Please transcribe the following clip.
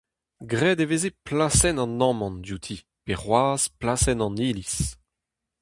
Graet e veze plasenn an amann diouti pe c'hoazh plasenn an iliz.